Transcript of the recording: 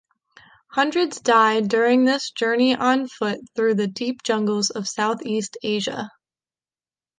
Hundreds died during this journey on foot through the deep jungles of Southeast Asia.